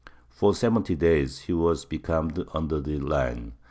For seventy days he was becalmed under the line.